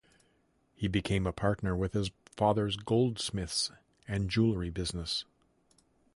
He became a partner in his father's goldsmith's and jewellery business.